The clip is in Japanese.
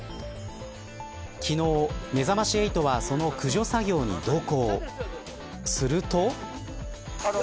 昨日、めざまし８はその駆除作業に同行。